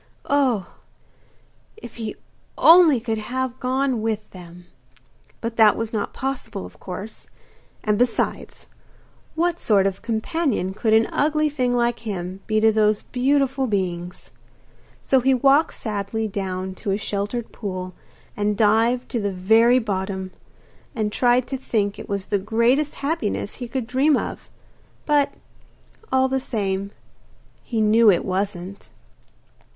Oh, if he only could have gone with them! But that was not possible, of course; and besides, what sort of companion could an ugly thing like him be to those beautiful beings? So he walked sadly down to a sheltered pool and dived to the very bottom, and tried to think it was the greatest happiness he could dream of. But, all the same, he knew it wasn't!